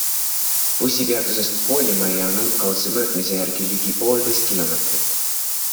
Bussipeatusest koolimajja on umbkaudse mõõtmise järgi ligi poolteist kilomeetrit.